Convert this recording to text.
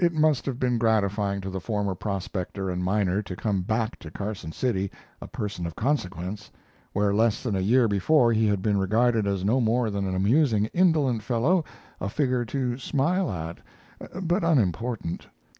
It must have been gratifying to the former prospector and miner to come back to Carson City a person of consequence, where less than a year before he had been regarded as no more than an amusing indolent fellow, a figure to smile at, but unimportant.